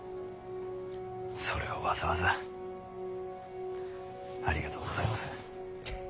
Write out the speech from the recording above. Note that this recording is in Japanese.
それはわざわざありがとうございまする。